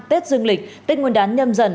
tết dương lịch tết nguyên đán nhâm dần